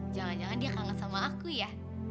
jangan jangan dia kangen sama aku ya